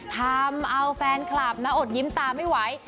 ทำเอาแฟนคลับนะอดยิ้มตาไม่ไหว